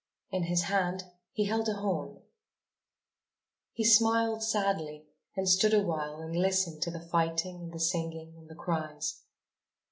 In his hand he held a horn. He smiled sadly and stood awhile and listened to the fighting and the singing and the cries.